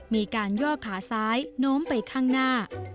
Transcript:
มีการย่อขาซ้ายโน้มไปข้างหน้า